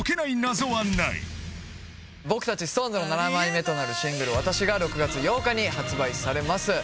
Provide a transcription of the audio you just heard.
僕達ＳｉｘＴＯＮＥＳの７枚目となるシングル「わたし」が６月８日に発売されます